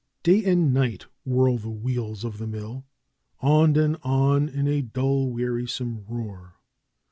Day and night whirl the wheels of the mill; on and on in a dull wearisome roar.